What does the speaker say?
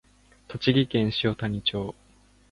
栃木県塩谷町